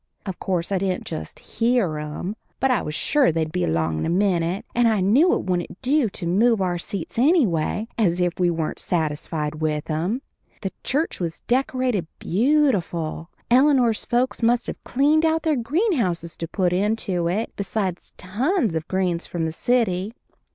Of course I didn't just hear 'em, but I was sure they'd be along in a minute, and I knew it wouldn't do to move our seats anyway, as if we weren't satisfied with 'em. The church was decorated beautiful. Eleanor's folks must have cleaned out their green house to put into it, besides tons of greens from the city.